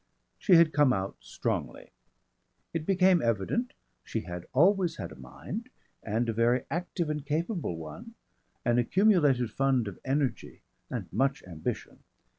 she had come out strongly. It became evident she had always had a mind, and a very active and capable one, an accumulated fund of energy and much ambition.